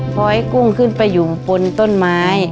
พอให้กุ้งขึ้นไปอยู่บนต้นไม้